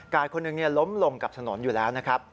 คนหนึ่งล้มลงกับถนนอยู่แล้วนะครับ